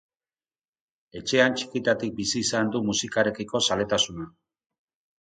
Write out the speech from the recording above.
Etxean txikitatik bizi izan du musikarekiko zaletasuna.